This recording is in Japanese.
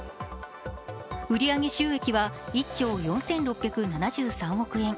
売上収益は１兆４６７３億円。